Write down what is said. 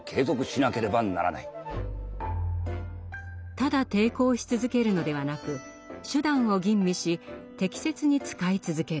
ただ抵抗し続けるのではなく手段を吟味し適切に使い続ける。